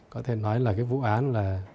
có thể nói là cái vụ án là